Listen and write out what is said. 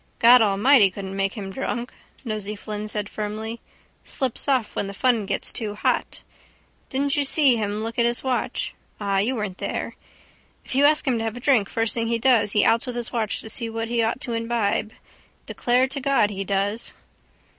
—God Almighty couldn't make him drunk, Nosey Flynn said firmly. Slips off when the fun gets too hot. Didn't you see him look at his watch? Ah, you weren't there. If you ask him to have a drink first thing he does he outs with the watch to see what he ought to imbibe. Declare to God he does.